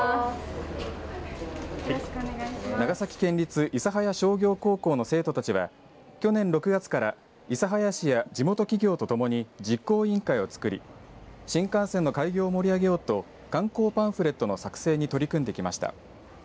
長崎県立諫早商業高校の生徒たちは去年６月から諫早市や地元企業とともに実行委員会をつくり新幹線の開業を盛り上げようと観光パンフレットの作成に取り組んできました。